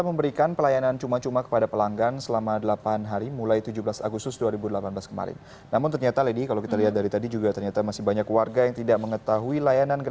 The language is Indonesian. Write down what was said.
pembelajaran penumpang terlihat tidak bergantung